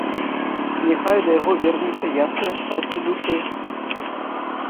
Няхай да яго вернецца яснае шчасце душы.